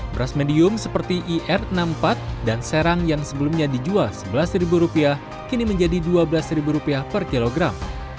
beras medium seperti ir enam puluh empat dan serang yang sebelumnya dijual rp sebelas kini menjadi rp dua belas per kilogram